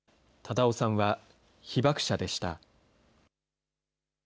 忠雄さんは被爆者でした。